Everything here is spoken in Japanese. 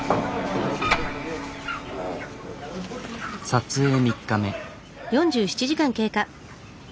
撮影３日目。